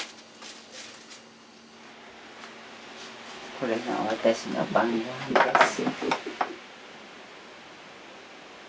これが私の晩ご飯です。